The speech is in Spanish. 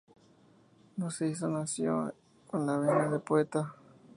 No se hizo, nació con la vena de poeta.